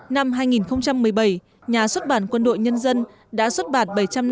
năm hai nghìn một mươi bảy nhà xuất bản quân đội nhân dân đã xuất bản